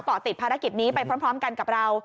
เกาะติดภารกิจนี้ไปพร้อมกันกับเรา